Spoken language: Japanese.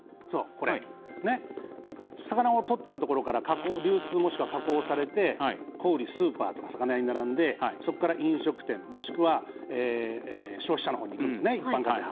魚をとったところから流通、もしくは加工されて小売、スーパーとか魚屋に並んでそこから飲食店、もしくは消費者のほうにいくんですね。